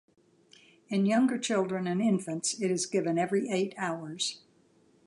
In younger children and infants, it is given every eight hours.